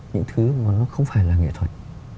những thứ mà nó không phải là nghệ thuật